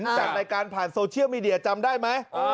จัดรายการผ่านโซเชียลมีเดียจำได้ไหม